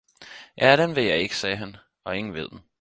Ja, den ved jeg ikke, sagde han, og ingen ved den